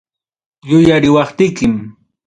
Yuyariwaptikim.